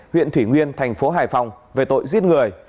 huyện thủy nguyên tp hải phòng về tội giết người